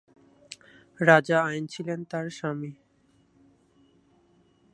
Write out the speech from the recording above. রাজা আইন ছিলেন তাঁর স্বামী।